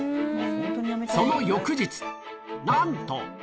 その翌日、なんと。